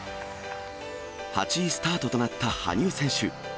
８位スタートとなった羽生選手。